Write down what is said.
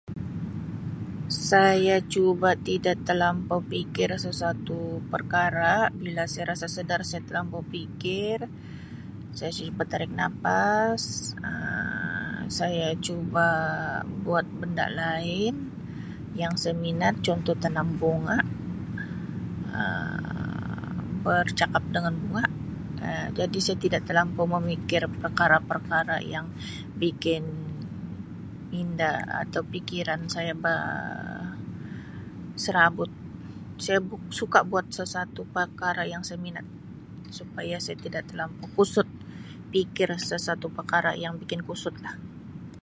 Saya cuba tidak telampau pikir sesuatu perkara bila saya rasa sedar saya telampau fikir saya cuba tarik nafas Um saya cuba buat benda lain yang saya minat contoh tanam bunga Um bercakap dengan bunga Um jadi saya tidak telampau memikir perkara-perkara yang bikin minda atau pikiran saya beserabut saya suka buat sesuatu perkara yang saya minat supaya saya tidak telampau kusut pikir sesuatu perkara yang bikin kusut lah.